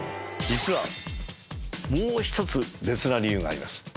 実はもう１つ別な理由があります。